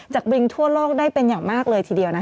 วิงทั่วโลกได้เป็นอย่างมากเลยทีเดียว